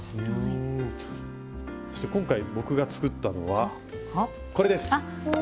そして今回僕が作ったのはこれです。